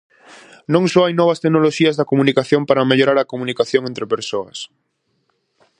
Non só hai novas tecnoloxías da comunicación para mellorar a comunicación entre persoas.